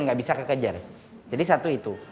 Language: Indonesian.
nggak bisa kekejar jadi satu itu